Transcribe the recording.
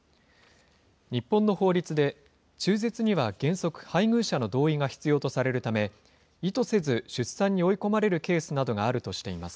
日本の法律で中絶には原則、配偶者の同意が必要とされるため、意図せず出産に追い込まれるケースなどがあるとしています。